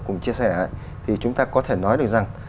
cùng chia sẻ thì chúng ta có thể nói được rằng